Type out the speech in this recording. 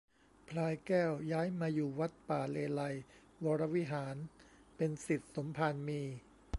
พลายแก้วย้ายมาอยู่วัดป่าเลไลยก์วรวิหาร เป็นศิษย์สมภารมี